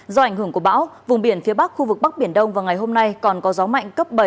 do ảnh hưởng của bão vùng biển phía bắc khu vực bắc biển đông vào ngày hôm nay còn có gió mạnh cấp bảy